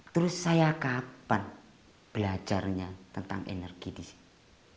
terus saya kapan belajarnya tentang energi di sini